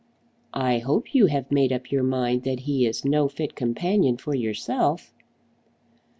"I hope you have made up your mind that he is no fit companion for yourself."